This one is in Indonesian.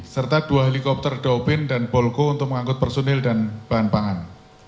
serta dua helikopter dobin dan bolgo untuk mengangkut personil dan bahan pangan